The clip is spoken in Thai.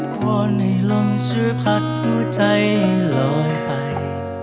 ว่าในลมเชื้อผัดหัวใจล้องไป